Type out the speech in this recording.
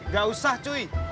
gak usah cuy